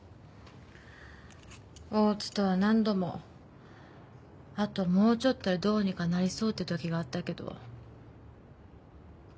大津とは何度も後もうちょっとでどうにかなりそうってときがあったけどならんかったね。